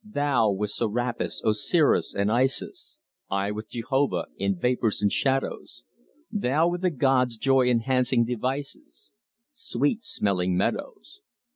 Thou with Serapis, Osiris, and Isis, I with Jehovah, in vapours and shadows; Thou with the gods' joy enhancing devices, Sweet smelling meadows!